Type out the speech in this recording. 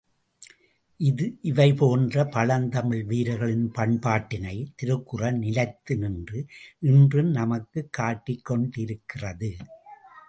இவைபோன்ற பழந்தமிழ் வீரர்களின் பண்பாட்டினை திருக்குறள் நிலைத்து நின்று, இன்றும் நமக்குக் காட்டிக் கொண்டிருக்கிறது.